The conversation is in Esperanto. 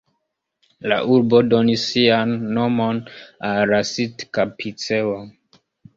La urbo donis sian nomon al la Sitka-piceo.